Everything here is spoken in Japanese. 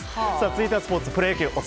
続いてはスポーツプロ野球です。